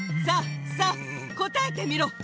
さあさあこたえてみろ！